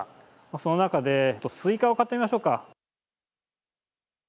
その中で、スイカを買ってみましょうか。